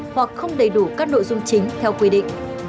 hoặc không đầy đủ các nội dung chính theo quy định